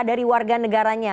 dari warga negaranya